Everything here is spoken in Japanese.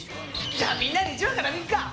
じゃあみんなで１話から見るか！